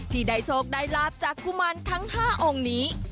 ที่ได้โชคได้ลาบจากกุมารทั้ง๕องค์นี้